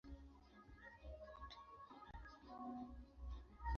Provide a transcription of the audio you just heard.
Kichwa chake kina umbo wa yai na macho makubwa.